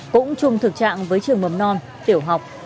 cũng chung thực trạng với trường mầm non tiểu học